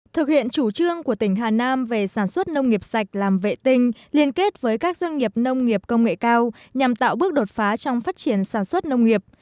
thực hiện chủ trương của tỉnh hà nam về sản xuất nông nghiệp sạch làm vệ tinh liên kết với các doanh nghiệp nông nghiệp công nghệ cao nhằm tạo bước đột phá trong phát triển sản xuất nông nghiệp